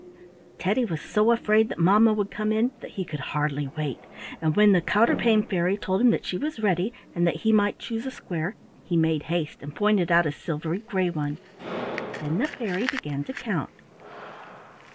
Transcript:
Teddy was so afraid that mamma would come in that he could hardly wait, and when the Counterpane Fairy told him that she was ready and that he might choose a square, he made haste and pointed out a silvery gray one. Then the fairy began to count.